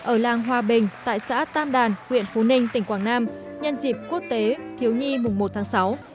ở làng hòa bình tại xã tam đàn huyện phú ninh tỉnh quảng nam nhân dịp quốc tế thiếu nhi mùng một tháng sáu